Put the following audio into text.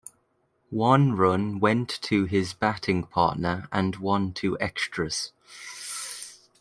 One run went to his batting partner and one to Extras.